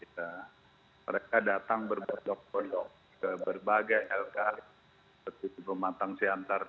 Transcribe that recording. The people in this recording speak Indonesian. mereka datang berbodok bodok ke berbagai lk seperti pemantang siantar